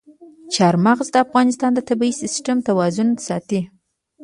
چار مغز د افغانستان د طبعي سیسټم توازن ساتي.